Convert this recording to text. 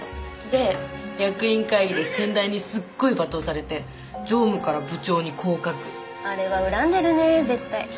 で役員会議で先代にすっごい罵倒されて常務から部長に降格。あれは恨んでるね絶対。